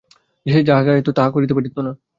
সে যাহা চাহিত তাহাতে তিনি না করিতে পারিতেন না।